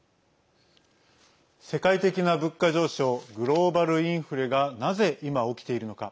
世界的な物価上昇グローバルインフレがなぜ今、起きているのか。